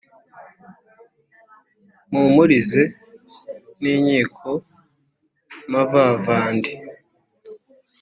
mpumurize n' inkiko muvavandi